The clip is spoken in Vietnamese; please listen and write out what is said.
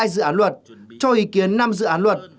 hai dự án luật cho ý kiến năm dự án luật